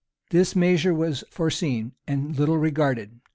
This measure was foreseen, and little regarded.